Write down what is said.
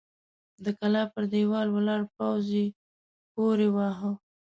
د کلا پر دېوال ولاړ پوځي يې پورې واهه!